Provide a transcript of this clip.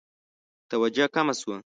توجه کمه شوه.